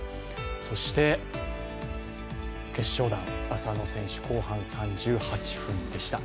そして決勝弾、浅野選手、後半３８分でした。